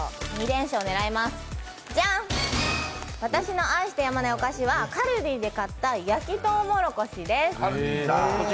じゃん、私の愛してやまないお菓子はカルディで買った焼きとうもろこしです。